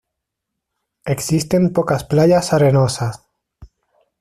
Existen pocas playas arenosas.